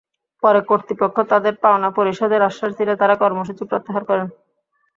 পরে কর্তৃপক্ষ তাঁদের পাওনা পরিশোধের আশ্বাস দিলে তাঁরা কর্মসূচি প্রত্যাহার করেন।